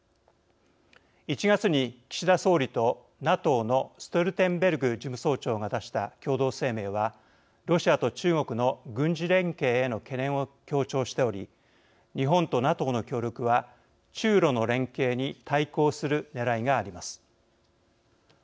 １月に岸田総理とＮＡＴＯのストルテンベルグ事務総長が出した共同声明はロシアと中国の軍事連携への懸念を強調しており日本とＮＡＴＯの協力は中ロの連携に対抗するねらいがあります。